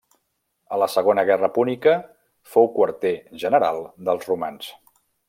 A la segona guerra púnica fou quarter general dels romans.